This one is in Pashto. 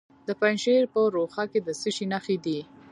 د پنجشیر په روخه کې د څه شي نښې دي؟